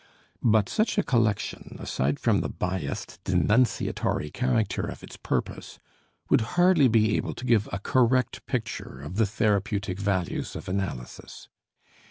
But such a collection, aside from the biased, denunciatory character of its purpose, would hardly be able to give a correct picture of the therapeutic values of analysis.